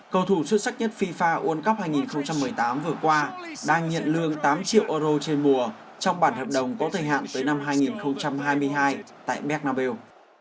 cầu thủ xuất sắc nhất fifa world cup hai nghìn một mươi tám vừa qua đang nhận lương tám triệu euro trên mùa trong bản hợp đồng có thời hạn tới năm hai nghìn hai mươi hai tại bernabe